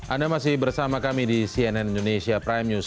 anda masih bersama kami di cnn indonesia prime news